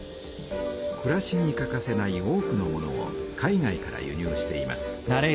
くらしに欠かせない多くのものを海外から輸入しています。